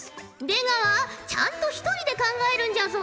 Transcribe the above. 出川ちゃんと一人で考えるんじゃぞ！